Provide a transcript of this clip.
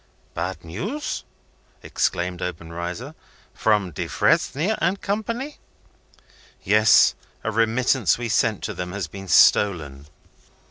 "Bad news," exclaimed Obenreizer. "From Defresnier and Company?" "Yes. A remittance we sent to them has been stolen.